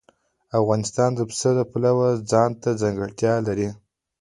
افغانستان د پسه د پلوه ځانته ځانګړتیا لري.